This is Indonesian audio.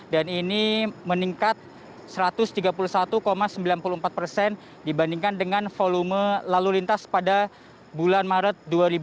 dan ini meningkat satu ratus tiga puluh satu sembilan puluh empat persen dibandingkan dengan volume lalu lintas pada bulan maret dua ribu dua puluh dua